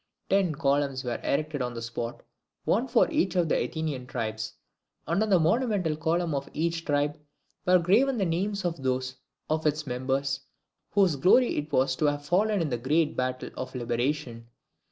Ten columns were erected on the spot, one for each of the Athenian tribes; and on the monumental column of each tribe were graven the names of those of its members whose glory it was to have fallen in the great battle of liberation.